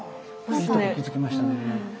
いいとこ気付きましたね。